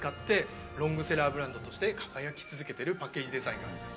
ブランドとして輝き続けてるパッケージデザインがあるんです。